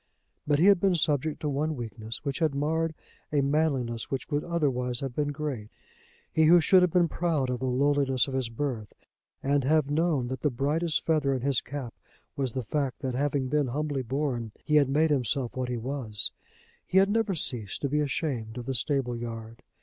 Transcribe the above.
But he had been subject to one weakness, which had marred a manliness which would otherwise have been great. He, who should have been proud of the lowliness of his birth, and have known that the brightest feather in his cap was the fact that having been humbly born he had made himself what he was, he had never ceased to be ashamed of the stable yard.